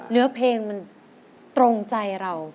เนื้อเพลงมันตรงใจเรา